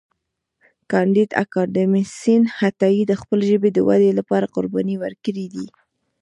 کانديد اکاډميسن عطایي د خپلې ژبې د ودې لپاره قربانۍ ورکړې دي.